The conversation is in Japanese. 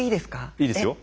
いいですよ。